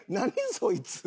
そいつ。